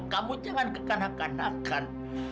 kamu jangan kekanak kanakan